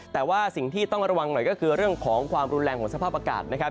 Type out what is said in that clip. แต่ว่าสิ่งที่ต้องระวังหน่อยก็คือเรื่องของความรุนแรงของสภาพอากาศนะครับ